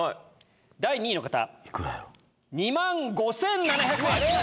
第２位の方２万５７００円！